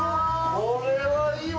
これはいいわ。